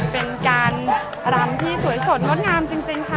เป็นการรำที่สวยสดงดงามจริงค่ะ